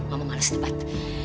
mama males debat